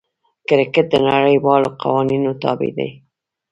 کرکټ د نړۍوالو قوانینو تابع دئ.